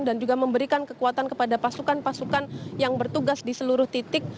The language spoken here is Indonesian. dan juga memberikan kekuatan kepada pasukan pasukan yang bertugas di seluruh titik